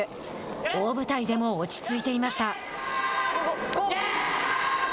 大舞台でも落ち着いていました。